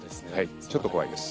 ちょっと怖いです。